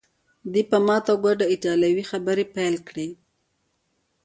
دی په ماته ګوډه ایټالوي خبرې پیل کړې.